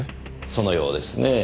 そのようですねぇ。